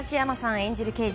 演じる刑事